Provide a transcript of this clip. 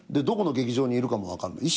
どこの劇場にいるかも分かる。